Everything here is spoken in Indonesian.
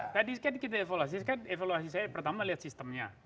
tadi kita evaluasi evaluasi saya pertama lihat sistemnya